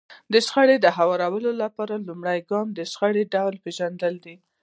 د شخړې هوارولو لپاره لومړی ګام د شخړې ډول پېژندل دي.